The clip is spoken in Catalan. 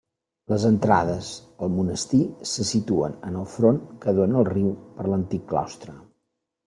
Les entrades al monestir se situen en el front que dóna al riu, per l'antic claustre.